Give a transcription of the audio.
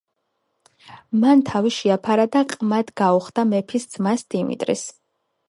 მან თავი შეაფარა და ყმად გაუხდა მეფის ძმას, დიმიტრის.